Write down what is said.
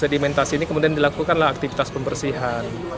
sedimentasi ini kemudian dilakukanlah aktivitas pembersihan